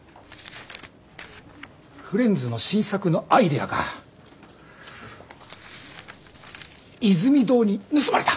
フレンズの新作のアイデアがイズミ堂に盗まれた。